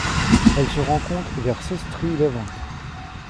Elle se rencontre vers Sestri Levante.